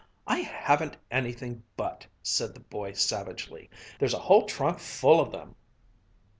"I haven't anything but!" said the boy savagely. "There's a whole trunk full of them!"